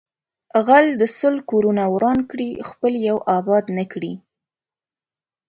غل د سل کورونه وران کړي خپل یو آباد نکړي